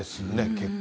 結構。